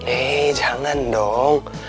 eh jangan dong